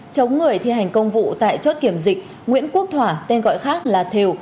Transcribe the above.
chống người thi hành công vụ tại chốt kiểm dịch nguyễn quốc thỏa tên gọi khác là thiều